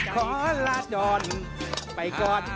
ขอลาดอนไปก่อน